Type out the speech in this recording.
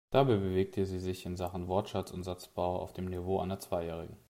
Dabei bewegte sie sich in Sachen Wortschatz und Satzbau auf dem Niveau einer Zweijährigen.